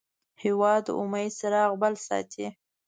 هېواد د امید څراغ بل ساتي.